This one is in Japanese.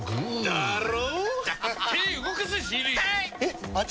だろ？